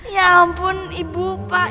ya ampun ibu pak